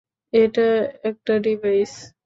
এটা একটা ডিভাইস।